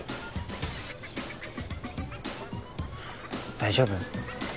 大丈夫？